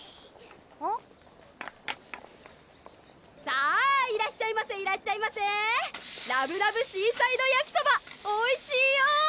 さぁいらっしゃいませいらっしゃいませ「ラブラブシーサイドやきそば」おいしいよ！